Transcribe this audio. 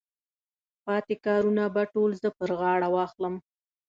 پاتې کارونه به ټول زه پر غاړه واخلم.